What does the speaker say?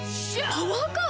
パワーカーブ⁉